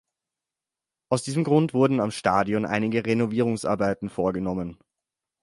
Aus diesem Grund wurden am Stadion einige Renovierungsarbeiten vorgenommen.